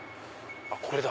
これだ。